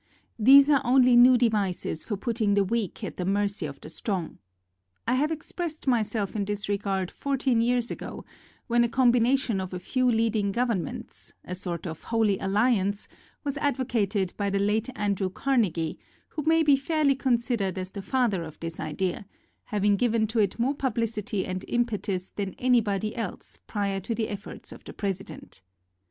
These are only new devices for putting the weak at the mercy of the strong. I have exprest myself in this re gard fourteen years ago, when a combina tion of a few leading governments — a sort of Holy Alliance — was advocated by the late Andrew Carnegie, who may be fairly considered as the father of this idea, hav ing given to it more publicity and impetus than anybody else prior to the efforts of the President.